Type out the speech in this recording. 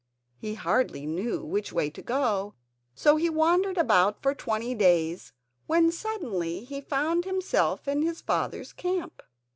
He hardly knew which way to go, so he wandered about for twenty days, when, suddenly, he found himself in his father's camp.